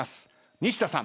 西田さん